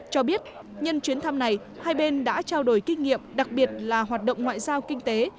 cho biết nhân chuyến thăm này hai bên đã trao đổi kinh nghiệm đặc biệt là hoạt động ngoại giao kinh tế